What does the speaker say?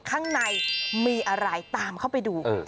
ข้างในมีอะไรตามเข้าไปดู